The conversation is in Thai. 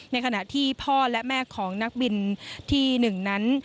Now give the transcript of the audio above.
ในขณะที่พ่อและแม่ของนักบินที่๑นั้น